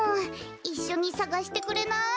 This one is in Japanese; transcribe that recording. いっしょにさがしてくれない？